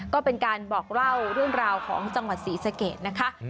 ก็เป็นการบอกเล่าเรื่องราวของจังหวัดศรีสะเกดนะคะ